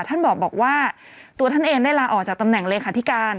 ท่านบอกว่าตัวท่านเองได้ลาออกจากตำแหน่งเลขาธิการ